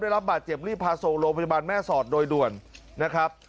ได้รับบาดเจ็บรีบพาส่งโรงพยาบาลแม่สอดโดยด่วนนะครับ